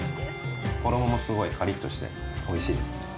衣もすごいかりっとして、おいしいです。